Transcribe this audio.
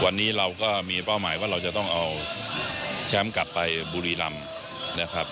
วันนี้เราก็มีเป้าหมายว่าเราจะต้องเอาแชมป์กลับไปบุรีรำนะครับ